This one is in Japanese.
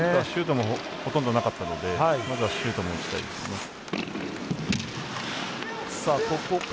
シュートもほとんどなかったので今回はシュート打ちたいですね。